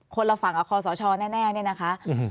คนละฝั่งกับคอสชแน่เนี่ยนะคะ